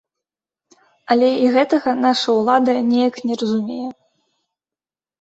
Але і гэтага нашая ўлада неяк не разумее.